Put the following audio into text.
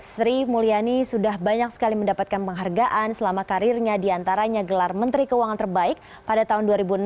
sri mulyani sudah banyak sekali mendapatkan penghargaan selama karirnya diantaranya gelar menteri keuangan terbaik pada tahun dua ribu enam